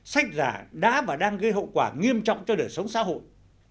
sách giả đã và đang gây hậu quả nghiêm trọng cho đời sống xã hội